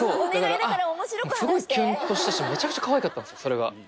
すごいキュンッとしたしめちゃくちゃかわいかったんですよそれが。